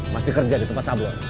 masih kerja di tempat cabur